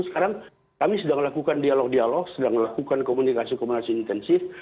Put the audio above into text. sekarang kami sedang melakukan dialog dialog sedang melakukan komunikasi komunikasi intensif